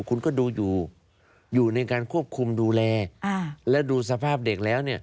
คุณก็ดูอยู่อยู่ในการควบคุมดูแลและดูสภาพเด็กแล้วเนี่ย